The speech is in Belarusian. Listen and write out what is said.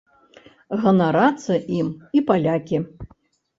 Ганарацца ім і палякі.